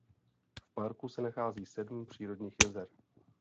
V parku se nachází sedm přírodních jezer.